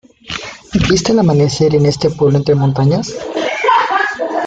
¿Viste el amanecer en este pueblo entre montañas?